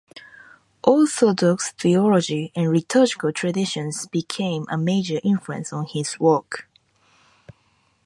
Orthodox theology and liturgical traditions became a major influence on his work.